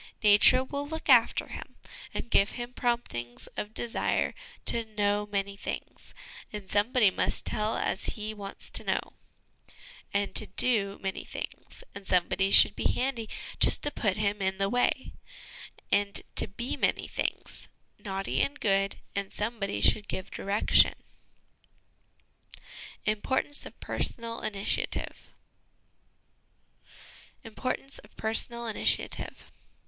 Nature will look after him and give him promptings of desire to know many things, and somebody must tell as he wants to know; and to do many things, and somebody should be handy just to put him in the way ; and to be many things, naughty and good, and somebody should give direction. Importance of Personal Initiative.